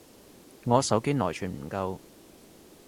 我手機內存唔夠